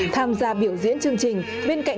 tham gia biểu diễn chương trình